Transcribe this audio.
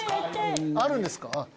あるんですか？